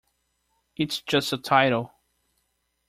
It's just a title.